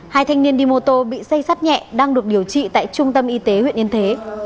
hai thanh niên đi mô tô bị xây sắt nhẹ đang được điều trị tại trung tâm y tế huyện yên thế